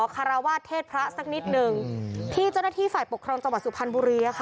คราวาสเทศพระสักนิดหนึ่งที่เจ้านที่ฝ่ายปกครองจังหวัดสุภันฑ์